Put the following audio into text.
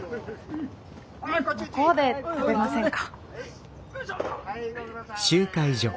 向こうで食べませんか？